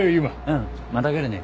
うんまた来るね。